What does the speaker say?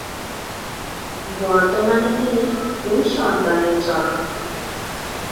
বর্তমানে তিনি দুই সন্তানের জনক।